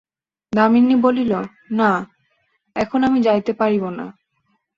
দামিনী বলিল, না, এখন আমি যাইতে পারিব না।